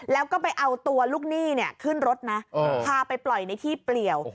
แล้วก็ไปเอาตัวลูกหนี้ขึ้นรถนะพาไปปล่อยในที่เปลี่ยว